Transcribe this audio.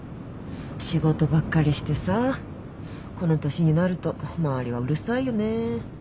仕事ばっかりしてさこの年になると周りはうるさいよね。